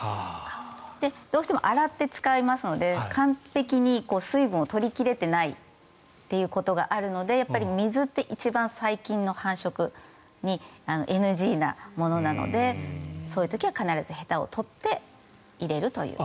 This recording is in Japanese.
どうしても洗って使いますので完璧に水分を取り切れてないということがあるので水って一番、細菌の繁殖にＮＧなものなのでそういう時は必ずへたを取って入れるという。